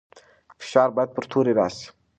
فشار باید پر توري راسي.